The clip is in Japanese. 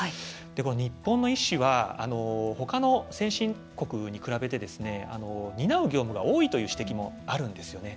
日本の医師はほかの先進国に比べて担う業務が多いという指摘もあるんですよね。